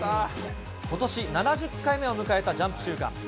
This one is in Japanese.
ことし、７０回目を迎えたジャンプ週間。